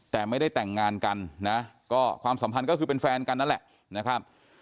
แต่ไม่ได้แต่งงานกันนะก็ความสัมพันธ์ก็คือเป็นแฟนกันนั่นแหละนะครับ